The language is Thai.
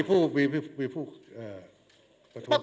มีผู้ประท้วง